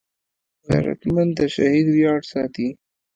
غیرتمند د شهید ویاړ ساتي